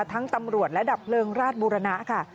ตำรวจและดับเพลิงราชบุรณะค่ะ